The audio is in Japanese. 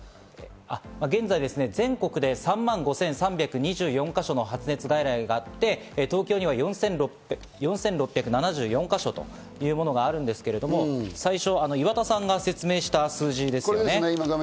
現在、全国で３万５３２４か所の発熱外来があって、東京には４６７４か所というものがあるんですけど、最初、岩田さんが説明した数字ですね。